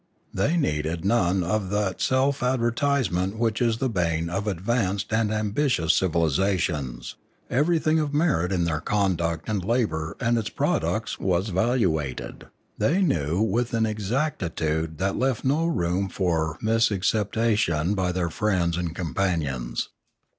They needed none of that self advertisement which is the bane of advanced and ambitious civilisations; everything of merit in their conduct and labour and its products was valuated, they knew, with an exactitude that left no room for misacceptation by their friends and companions.